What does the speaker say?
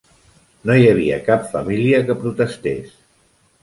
No hi havia cap família que protestés.